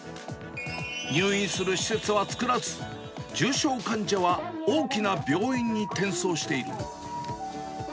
入院する施設は作らず、重症患者は大きな病院に転送している。